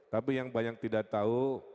tapi yang banyak tidak tahu